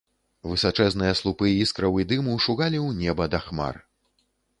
Высачэзныя слупы іскраў і дыму шугалі ў неба да хмар.